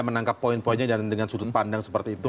menangkap poin poinnya dan dengan sudut pandang seperti itu